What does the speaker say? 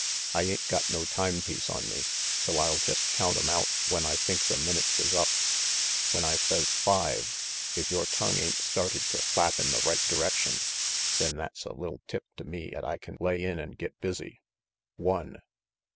I ain't got no time piece on me, so I'll jest count 'em out when I think the minutes is up. When I says 'five', if yore tongue ain't started to flap in the right direction, then that's a li'l tip to me 'at I can lay in an' get busy. One."